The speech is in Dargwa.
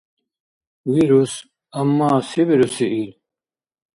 Вирус, амма се бируси ил?